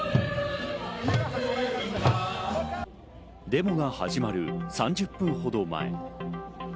デモが始まる３０分ほど前。